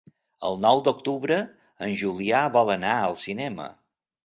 El nou d'octubre en Julià vol anar al cinema.